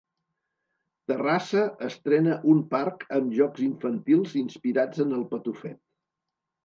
Terrassa estrena un parc amb jocs infantils inspirats en El Patufet.